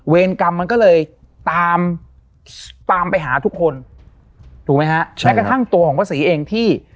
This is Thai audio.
กรรมมันก็เลยตามตามไปหาทุกคนถูกไหมฮะแม้กระทั่งตัวของพระศรีเองที่